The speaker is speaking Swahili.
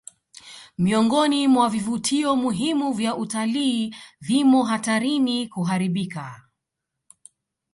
Miongoni mwa vivutio muhimu vya utalii vimo hatarini kuharibika